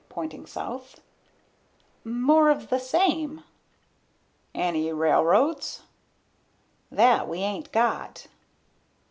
pointing south. "More of the same." "Any railroads?" "That we ain't got."